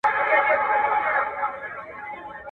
کرۍ ورځ چي یې مزلونه وه وهلي ..